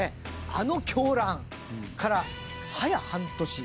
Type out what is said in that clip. あの狂乱から早半年。